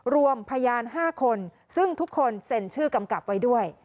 รวมพยาน๕คนซึ่งทุกคนเซ็นชื่อกำกับไว้ด้วย